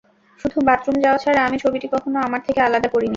শুধু বাথরুমে যাওয়া ছাড়া আমি ছবিটি কখনো আমার থেকে আলাদা করিনি।